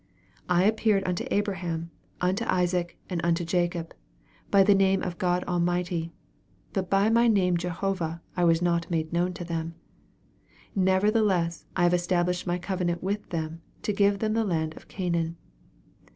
I appeared unto Abraham, unto Isaac, and unto Jacob, by the name of God Almighty, but by my name Jehovah was I not made known to them. Nevertheless I have established my covenant with them, to give them the land of Canaan.'